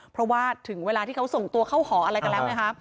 เพราะว่าถึงเวลาที่เขาส่งตัวเข้าหออะไรกันแล้วไงคะ